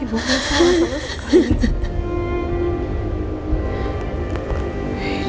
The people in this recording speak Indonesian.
ibu mau salah